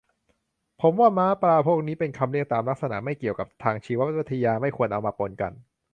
ผมว่า ม้า ปลา พวกนี้ เป็นคำเรียกตามลักษณะ ไม่เกี่ยวกับทางชีววิทยา ไม่ควรเอามาปนกัน